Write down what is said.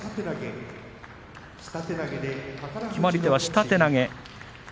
決まり手は下手投げ。